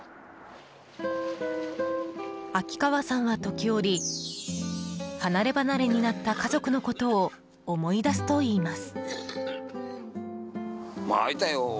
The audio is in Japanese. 秋川さんは時折離ればなれになった家族のことを思い出すといいます。